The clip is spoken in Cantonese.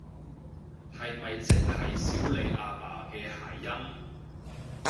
係咪即係少理阿爸嘅諧音？